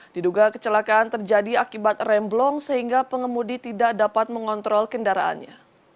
diduga kecelakaan terjadi akibat remblong sehingga pengemudi tidak dapat mengontrol kendaraannya